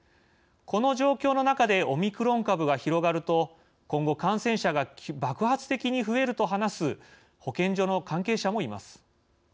この状況の中でオミクロン株が広がると今後、感染者が爆発的に増えると話す保健所の関係者もいます。